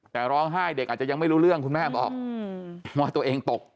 แต่ร้องไห้เด็กอาจจะยังไม่รู้เรื่องคุณแม่บอกว่าตัวเองตก